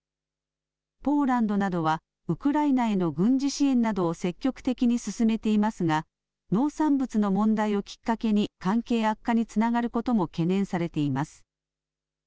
ポーランドなどはウクライナへの軍事支援などを積極的に進めていますが農産物の問題をきっかけに関係悪化につながることも懸念されています。